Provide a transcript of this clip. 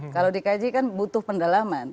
kalau dikaji kan butuh pendalaman